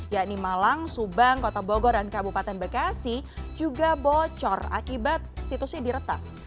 yakni malang subang kota bogor dan kabupaten bekasi juga bocor akibat situsnya diretas